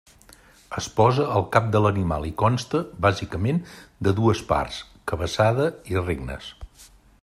Es posa al cap de l'animal i consta, bàsicament, de dues parts: cabeçada i regnes.